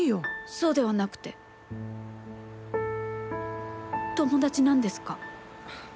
そうではなくて友達なんですか？